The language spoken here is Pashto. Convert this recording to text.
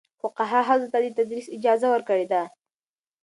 فقهاء ښځو ته د تدریس اجازه ورکړې ده.